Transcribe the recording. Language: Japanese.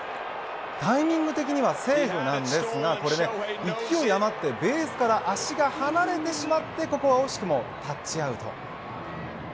タイミング的にはセーフなんですが勢い余ってベースから足が離れてしまってここは惜しくもタッチアウト。